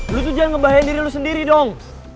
lu tuh jangan ngebahayain diri lu sendiri dong